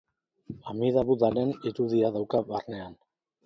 Amida Budaren irudia dauka barnean.